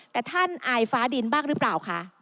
แต่ท่านอายฟ้าดินบ้างหรือเปล่าคะ